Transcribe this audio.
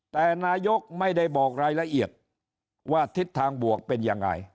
แต่นายกไม่ได้บอกรายละเอียดว่าทิศทางบวกเป็นยังไง